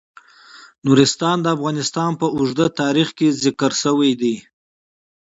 نورستان د افغانستان په اوږده تاریخ کې ذکر شوی دی.